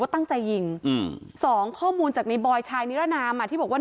ตั้งใจยิงอืมสองข้อมูลจากในบอยชายนิรนามอ่ะที่บอกว่า